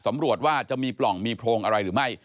ตำรวจว่าจะมีปล่องมีโพรงอะไรหรือไม่